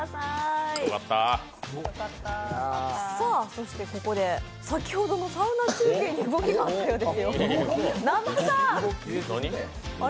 そしてここで、先ほどのサウナ中継に動きがあったようですよ。